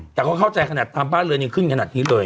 แต่เขาเข้าใจขนาดตามบ้านเรือนยังขึ้นขนาดนี้เลย